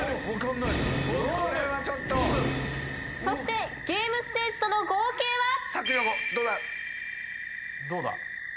そしてゲームステージとの合計は？